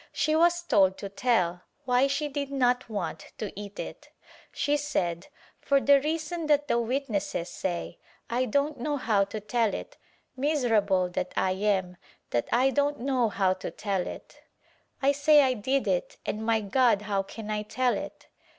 She was told to tell why she did not want to eat it. She said, "For the reason that the witnesses say — I don't know how to tell it miserable that T am that I don't know how to tell it — I say I did it and my God how can I tell it?"